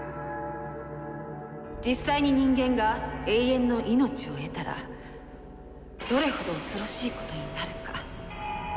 実際に人間が永遠の命を得たらどれほど恐ろしいことになるか。